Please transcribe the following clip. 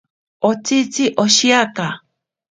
Otsitzi oshiaka.